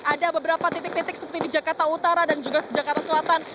ada beberapa titik titik seperti di jakarta utara dan juga jakarta selatan